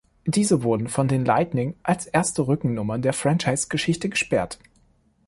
Diese wurden von den Lightning als erste Rückennummer der Franchise-Geschichte gesperrt.